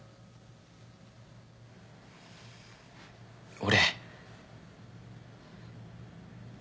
俺。